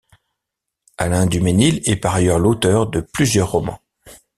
Alain Duménil est par ailleurs l’auteur de plusieurs romans.